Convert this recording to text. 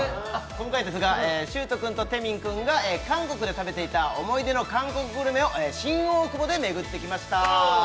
今回ですが崇人くんとテミンくんが韓国で食べていた思い出の韓国グルメを新大久保で巡ってきました